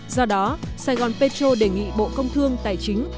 do đó sài gòn petro đề nghị bộ công thương tài chính